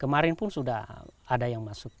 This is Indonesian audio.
kemarin pun sudah ada yang masuk